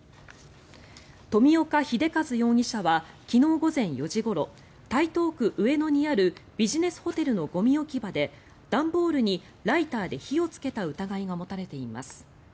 富岡秀和容疑者は昨日午前４時ごろ台東区上野にあるビジネスホテルのゴミ置き場で段ボールにライターで火をつけた疑いが持たれています。